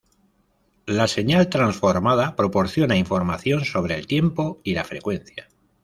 La señal transformada proporciona información sobre el tiempo y la frecuencia.